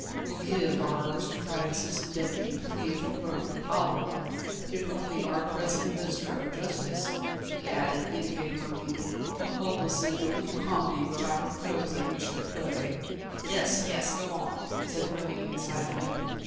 We'll give our aristocratic Citizen Deputy plenty of rope, I'll warrant, if only our present Minister of Justice," he added, indicating Merlin, "will help us in the little comedy which I propose that we should play." "Yes! Yes! Go on!" said Merlin excitedly.